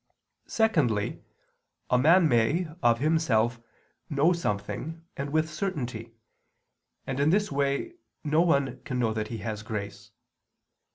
Secondly, a man may, of himself, know something, and with certainty; and in this way no one can know that he has grace.